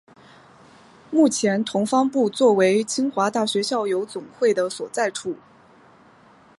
目前同方部作为清华大学校友总会的所在处。